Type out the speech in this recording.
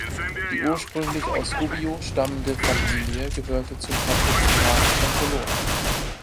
Die ursprünglich aus Gubbio stammende Familie gehörte zum Patriziat von Bologna.